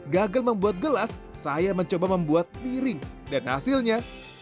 gagal membuat gelas saya mencoba membuat piring dan hasilnya